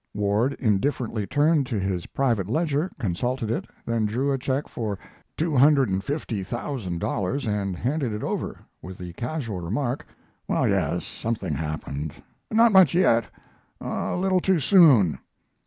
Ward indifferently turned to his private ledger, consulted it, then drew a check for two hundred and fifty thousand dollars, and handed it over, with the casual remark: "Well, yes, something happened; not much yet a little too soon."